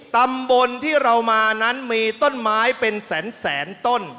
ตำบลที่เรามานั้นมีต้นไม้เป็นแสนต้น